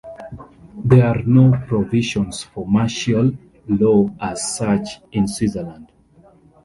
There are no provisions for martial law as such in Switzerland.